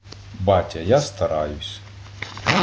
Батя я стараюсь